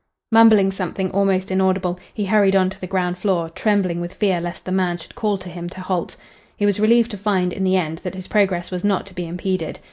Mumbling something almost inaudible, he hurried on to the ground floor, trembling with fear lest the man should call to him to halt. He was relieved to find, in the end, that his progress was not to be impeded.